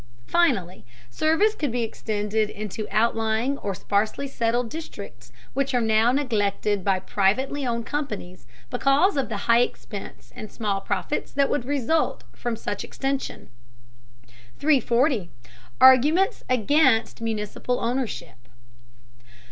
Finally, service could be extended into outlying or sparsely settled districts which are now neglected by privately owned companies because of the high expense and small profits that would result from such extension. 340. ARGUMENTS AGAINST MUNICIPAL OWNDERSHIP.